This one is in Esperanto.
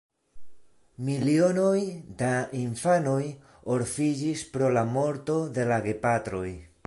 Milionoj da infanoj orfiĝis pro la morto de la gepatroj.